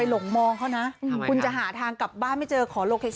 เราสุดท้ายโอ้ย